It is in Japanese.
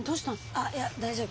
ああいや大丈夫。